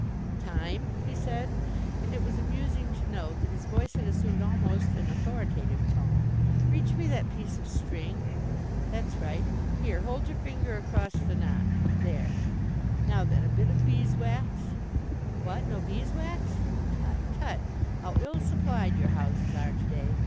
"Time," he said, and it was amusing to note that his voice had assumed almost an authoritative tone, "reach me that piece of string. That's right. Here, hold your finger across the knot. There! Now, then, a bit of beeswax. What? No beeswax? Tut, tut, how ill supplied your houses are to day.